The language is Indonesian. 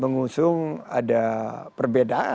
mengusung ada perbedaan yang satu perubahan yang satu ada perbedaan